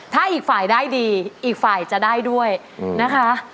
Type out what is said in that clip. ถ้าอีกฝ่ายได้ดีอีกฝ่ายจะได้ด้วยนะคะ